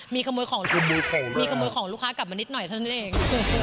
มีขโมยของลูกค้ากลับมานิดหน่อยเท่านั้นเอง